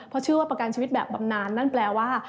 เพราะชื่อว่าประกันชีวิตแบบบำนานนั่นแปลว่า